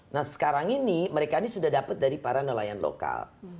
nah sekarang ini mereka ini sudah dapat dari para nelayan lokal